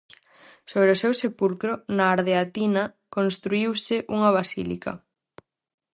Sobre o seu sepulcro, na Ardeatina, construíuse unha basílica.